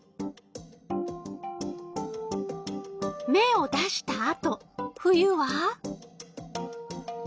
芽を出したあと冬は？